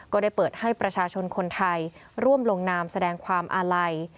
ก็ได้เปิดให้ประชาชนคนไทยร่วมลงนามแสดงความอาลัย